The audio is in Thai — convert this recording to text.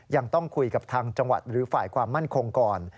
ยังต้องคุยกับทางจังหวัดหรือฝ่ายความมั่นคงก่อน